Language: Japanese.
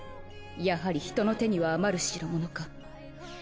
やはり人の手には余る代物か。